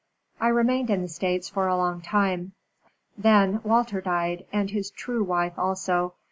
I remained in the States for a long time. Then Walter died, and his true wife also.